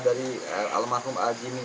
dari alamakum a a jimmy